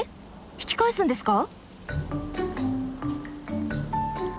引き返すんですか？